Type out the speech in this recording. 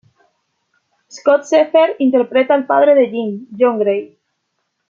Scott Shepherd interpreta al padre de Jean, John Grey.